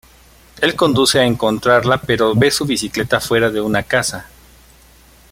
Él conduce a encontrarla pero ve su bicicleta fuera de una casa.